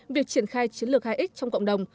việc triển khai chiến lược hai x trong cộng đồng